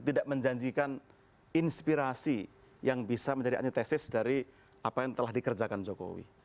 tidak menjanjikan inspirasi yang bisa menjadi antitesis dari apa yang telah dikerjakan jokowi